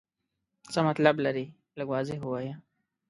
څه مطلب لرې ؟ لږ واضح ووایه.